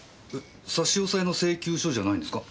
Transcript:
差し押さえの請求書じゃないんですか？